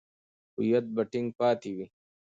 هویت به ټینګ پاتې وي.